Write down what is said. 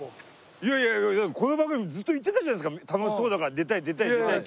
いやいやこの番組ずっと言ってたじゃないですか楽しそうだから出たい出たい出たいって。